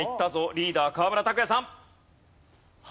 リーダー河村拓哉さん。